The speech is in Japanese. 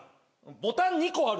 「ボタン２個ある」